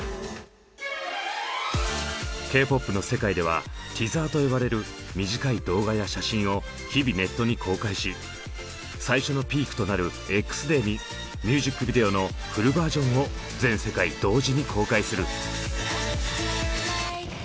Ｋ−ＰＯＰの世界では「ティザー」と呼ばれる短い動画や写真を日々ネットに公開し最初のピークとなるＸデーにミュージックビデオのフルバージョンを全世界同時に公開する。